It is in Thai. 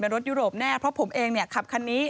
รถยุโรปแน่เพราะผมเองเนี่ยขับคันนี้